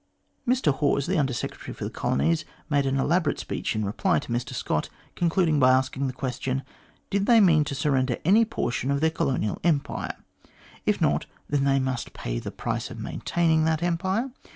Mr Hawes, the Under Secretary for the Colonies, made an elaborate speech in reply to Mr Scott, concluding by asking the question : Did they mean to surrender any portion of their Colonial Empire ? If not, they must pay the price of maintaining that Empire.